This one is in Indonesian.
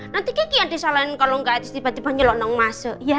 nanti kiki yang disalahin kalau nggak tiba tiba nyelonong masuk